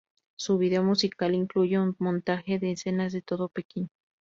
Su vídeo musical incluye un montaje de escenas de todo Pekín.